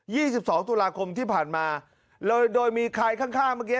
ี่สิบสองตุลาคมที่ผ่านมาโดยโดยมีใครข้างข้างเมื่อกี้